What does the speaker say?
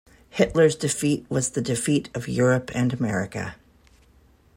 Hitler's defeat was the defeat of Europe and America.